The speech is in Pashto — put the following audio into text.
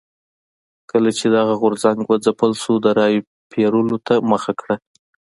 کله چې دغه غورځنګ وځپل شو د رایو پېرلو ته مخه کړه.